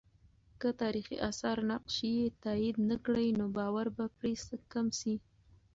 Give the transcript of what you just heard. که تاریخي آثار نقش یې تایید نه کړي، نو باور به پرې کم سي.